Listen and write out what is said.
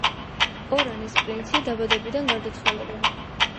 ორანის პრინცი დაბადებიდან გარდაცვალებამდე.